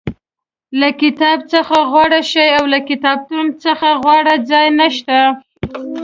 له کتاب څخه غوره شی او له کتابتون څخه غوره ځای نشته.